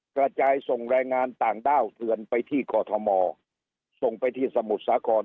กระจายส่งแรงงานต่างด้าวเถือนไปที่กอทมส่งไปที่สมุทรสาคร